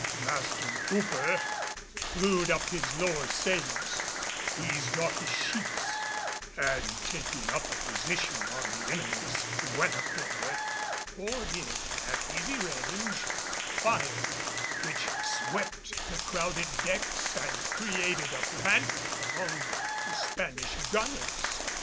Master Hooper clewed up his lower sails, eased off his sheets, and taking up a position on the enemy's weather quarter poured in at easy range a fire which swept the crowded decks and created a panic among the Spanish gunners.